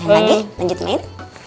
lagi lanjut main